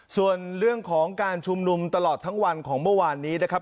ส่วนเรื่องของการชุมนุมตลอดทั้งวันของเมื่อวานนี้นะครับ